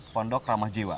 pondok ramah jiwa